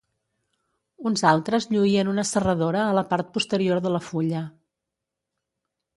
Uns altres lluïen una serradora a la part posterior de la fulla.